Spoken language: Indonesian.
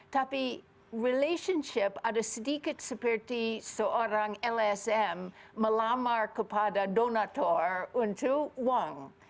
tapi relationship ada sedikit seperti seorang lsm melamar kepada donator untuk uang